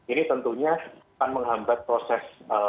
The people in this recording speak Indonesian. ini tentunya akan menghambat proses